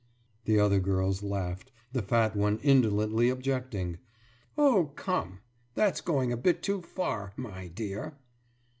« The other girls laughed, the fat one indolently objecting: »Oh, come, that's going a bit too far, my dear!